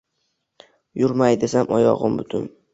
Yurmay desam, oyog’im butun.